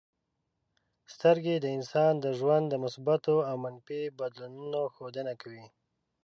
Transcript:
سترګې د انسان د ژوند د مثبتو او منفي بدلونونو ښودنه کوي.